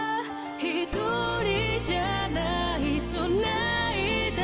「ひとりじゃないつないだ」